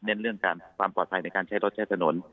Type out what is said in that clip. เรื่องความปลอดภัยในการใช้รถใช้ถนน